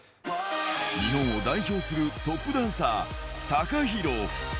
日本を代表するトップダンサー、ＴＡＫＡＨＩＲＯ。